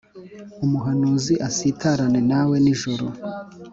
umuhanuzi asitarane nawe nijoro,